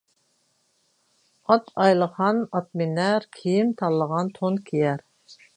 ئات ئايلىغان ئات مىنەر، كىيىم تاللىغان تون كىيەر.